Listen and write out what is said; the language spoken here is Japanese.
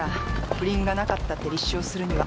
不倫がなかったって立証するには。